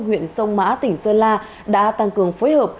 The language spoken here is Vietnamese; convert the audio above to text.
huyện sông mã tỉnh sơn la đã tăng cường phối hợp